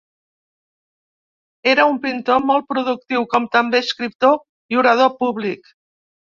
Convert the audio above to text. Era un pintor molt productiu, com també escriptor i orador públic.